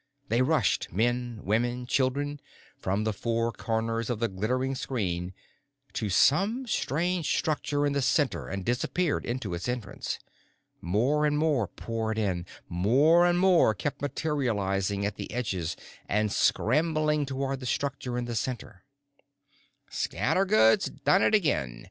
They rushed, men, women, children, from the four corners of the glittering screen to some strange structure in the center and disappeared into its entrance. More and more poured in, more and more kept materializing at the edges and scrambling toward the structure in the center. "Scattergood's does it again!"